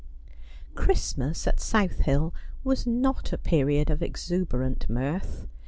Christmas at South Hill was not a period of exuberant mirth.